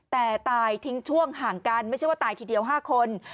แต่ตายทิ้งช่วงห่างกันไม่ใช่ว่าตายทีเดียว๕คน